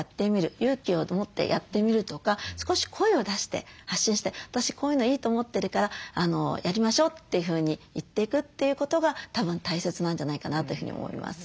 勇気を持ってやってみるとか少し声を出して発信して「私こういうのいいと思ってるからやりましょう」というふうに言っていくということがたぶん大切なんじゃないかなというふうに思います。